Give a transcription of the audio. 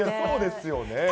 そうですよね。